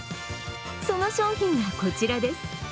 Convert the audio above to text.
その商品がこちらです。